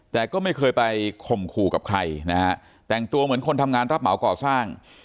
แต่ก็ไม่เคยไปข่มขู่กับใครนะฮะแต่งตัวเหมือนคนทำงานรับเหมาก่อสร้าง